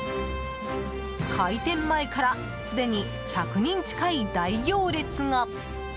開店前からすでに１００人近い大行列が。